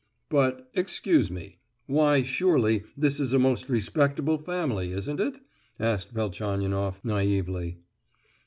"But—excuse me; why, surely this is a most respectable family, isn't it?" asked Velchaninoff, naïvely.